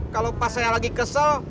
kalau pas saya lagi kesel